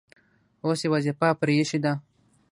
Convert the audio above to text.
اوس یې وظیفه پرې ایښې ده.